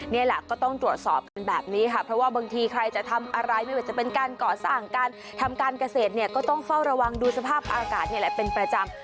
นี่แหละก็ต้องตรวจสอบกันแบบนี้ค่ะเพราะว่าบางทีใครจะทำอะไรไม่ว่าจะเป็นการก่อสร้างการทำการเกษตรเนี่ยก็ต้องเฝ้าระวังดูสภาพอากาศนี่แหละเป็นประจำ